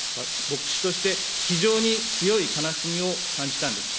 牧師として、非常に強い悲しみを感じたんです。